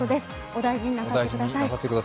お大事になさってください。